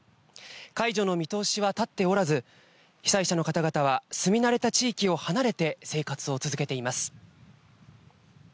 解除の見通しは立っておらず、被災者の方々は住み慣れた地域を離れて生活を続けています。